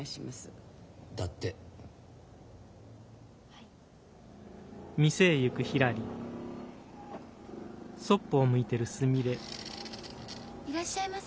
いらっしゃいませ。